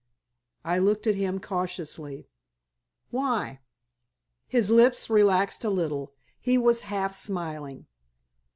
I looked at him cautiously. "Why?" His lips relaxed a little. He was half smiling.